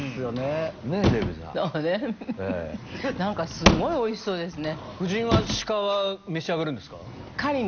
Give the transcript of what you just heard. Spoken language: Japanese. すごいおいしそうですね。